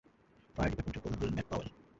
Fire ডিপার্টমেন্টের প্রধান হলেন ম্যাট পাওয়েল।